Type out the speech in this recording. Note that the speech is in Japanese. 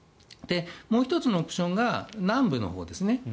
もう１つのオプションが南部のほうですね。